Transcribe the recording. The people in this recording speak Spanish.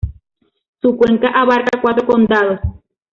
Su cuenca abarca cuatro condados.